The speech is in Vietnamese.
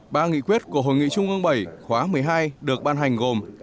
ba nghị quyết của hội nghị trung ương bảy khóa một mươi hai được ban hành gồm